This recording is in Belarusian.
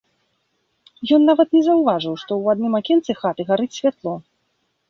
Ён нават не заўважыў, што ў адным акенцы хаты гарыць святло.